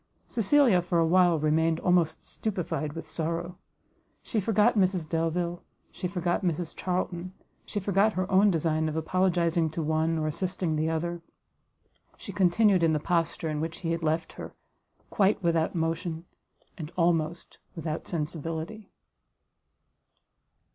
Cecilia for a while remained almost stupified with sorrow; she forgot Mrs Delvile, she forgot Mrs Charlton, she forgot her own design of apologizing to one, or assisting the other: she continued in the posture in which he had left her, quite without motion, and almost without sensibility.